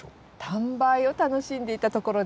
探梅を楽しんでいたところです。